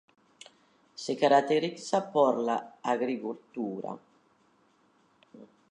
Se caracteriza por la agricultura, donde se destaca la producción de paltas, entre otros.